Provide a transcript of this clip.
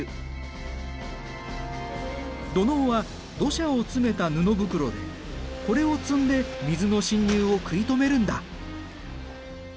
土のうは土砂を詰めた布袋でこれを積んで水の浸入を食い止めるんだ。